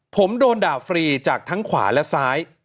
ผมโดนด่าฟรีจากทั้งขวาและซ้าย